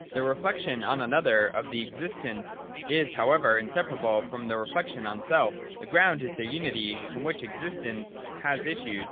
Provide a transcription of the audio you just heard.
124.] The reflection on another of the existent, is however inseparable from the reflection on self: the ground is their unity, from which existence has issued.